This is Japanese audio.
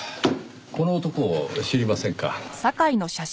この男を知りませんか？